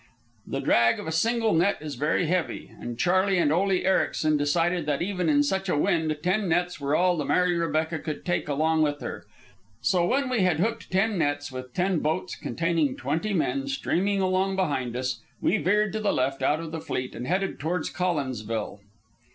The drag of a single net is very heavy, and Charley and Ole Ericsen decided that even in such a wind ten nets were all the Mary Rebecca could take along with her. So when we had hooked ten nets, with ten boats containing twenty men streaming along behind us, we veered to the left out of the fleet and headed toward Collinsville.